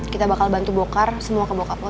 kita bakal bantu bokar semua ke bokap lo